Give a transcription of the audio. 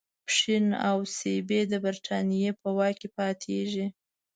پښین او سیبی د برټانیې په واک کې پاتیږي.